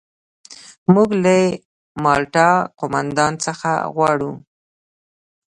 موږ له مالټا قوماندان څخه غواړو.